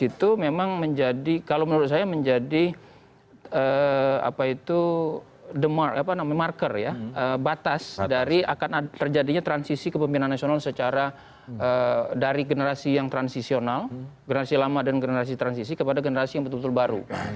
itu memang menjadi kalau menurut saya menjadi marker ya batas dari akan terjadinya transisi kepemimpinan nasional secara dari generasi yang transisional generasi lama dan generasi transisi kepada generasi yang betul betul baru